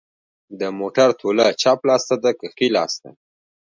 د موټر توله چپ لاس ته ده که ښي لاس ته